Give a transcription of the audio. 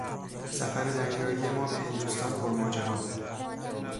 سفر دریایی ما به هندوستان پرماجرا بود.